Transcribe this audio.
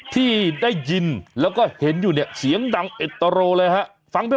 ที่ได้ยินแล้วก็เห็นอยู่เนี่ยเสียงดังเะตรโรเลยฮะฟังไม่ค่อยรู้เรื่องหรอก